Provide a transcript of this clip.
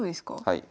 はい。